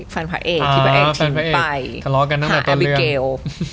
ฟันผ่าเอกที่แบบทิ้งไปหาอับริเกียล